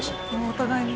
お互いに。